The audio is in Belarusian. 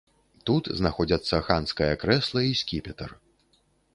Тут знаходзяцца ханскае крэсла і скіпетр.